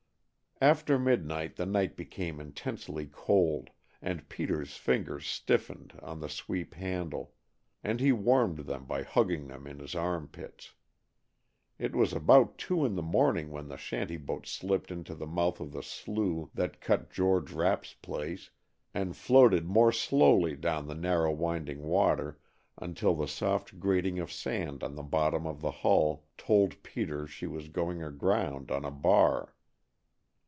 After midnight the night became intensely cold and Peter's fingers stiffened on the sweep handle, and he warmed them by hugging them in his arm pits. It was about two in the morning when the shanty boat slipped into the mouth of the slough that cut George Rapp's place, and floated more slowly down the narrow winding water until the soft grating of sand on the bottom of the hull told Peter she was going aground on a bar.